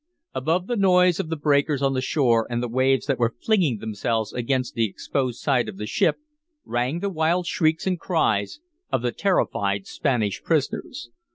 Above the noise of the breakers on the shore and the waves that were flinging themselves against the exposed side of the ship rang the wild shrieks and cries of the terrified Spanish prisoners.